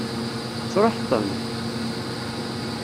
Tesṛuḥeḍ-ten?